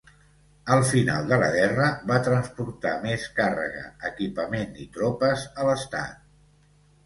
Al final de la guerra va transportar més càrrega, equipament i tropes a l"estat.